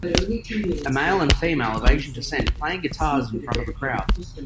A male and female of Asian descent playing guitars in front of a crowd.